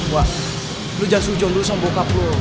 wak lo jangan seujung dulu sama bokap lo